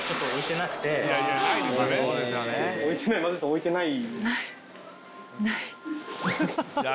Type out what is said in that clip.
置いてない。